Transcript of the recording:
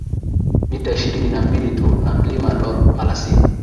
mita ishirini na mbili tu na Mlima Lool Malasin